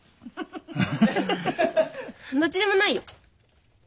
どっちでもないよ。